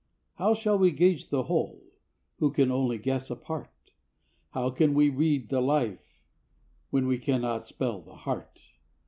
How shall we gauge the whole, who can only guess a part? How can we read the life, when we cannot spell the heart?